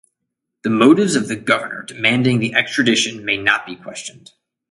The motives of the governor demanding the extradition may not be questioned.